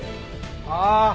ああ